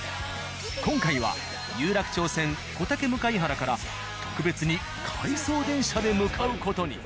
今回は有楽町線小竹向原から特別に回送電車で向かう事に。